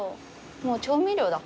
もう調味料だ。